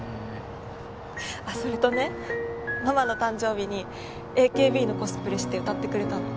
あっそれとねママの誕生日にＡＫＢのコスプレして歌ってくれたの。